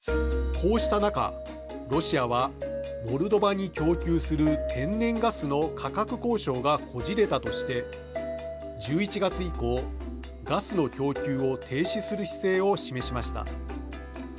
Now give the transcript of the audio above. こうした中、ロシアはモルドバに供給する天然ガスの価格交渉がこじれたとして１１月以降、ガスの供給を停止する姿勢を示しました。